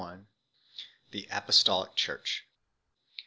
The Apostolic Church.